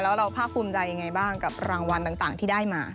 แล้วเราภาคภูมิใจยังไงบ้างกับรางวัลต่างที่ได้มา